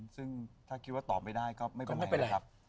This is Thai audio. ซึ่งถ้าคิดว่าตอบไม่ได้ก็ไม่เป็นไรครับ